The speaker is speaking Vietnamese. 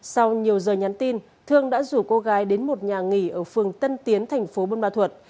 sau nhiều giờ nhắn tin thương đã rủ cô gái đến một nhà nghỉ ở phường tân tiến thành phố buôn ma thuật